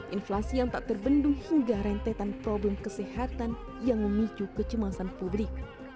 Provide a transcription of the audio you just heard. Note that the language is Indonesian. inflasi yang tak terbendung hingga rentetan problem kesehatan yang memicu kecemasan publik